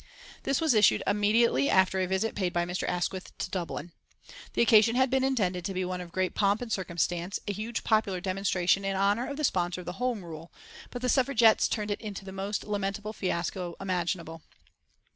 This was issued immediately after a visit paid by Mr. Asquith to Dublin. The occasion had been intended to be one of great pomp and circumstance, a huge popular demonstration in honour of the sponsor of Home Rule, but the Suffragettes turned it into the most lamentable fiasco imaginable.